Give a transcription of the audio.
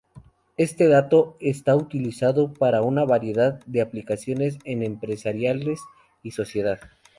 Este dato está utilizado para una variedad de aplicaciones en empresariales y sociedad.